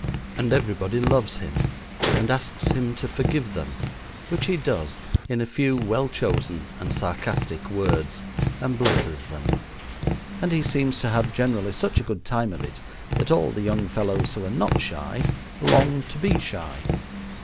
and everybody loves him and asks him to forgive them, which he does in a few well chosen and sarcastic words, and blesses them; and he seems to have generally such a good time of it that all the young fellows who are not shy long to be shy.